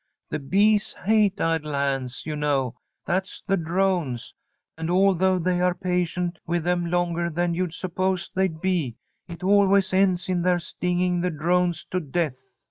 The bees hate idle hands, you know, that's the drones, and, although they are patient with them longer than you'd suppose they'd be, it always ends in their stinging the drones to death.